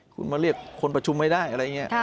คุณมาเรียกคนประชุมไม่ได้อะไรอย่างนี้